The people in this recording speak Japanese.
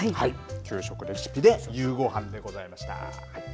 給食レシピでゆう５飯でございました。